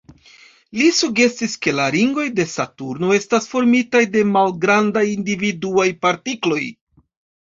Li sugestis, ke la ringoj de Saturno estas formitaj de malgrandaj individuaj partikloj.